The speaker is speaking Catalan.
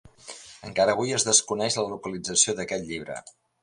Encara avui es desconeix la localització d'aquest llibre.